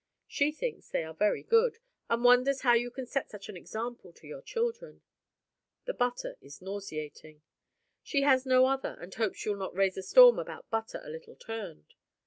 She thinks they are very good, and wonders how you can set such an example to your children. The butter is nauseating. She has no other, and hopes you'll not raise a storm about butter a little turned.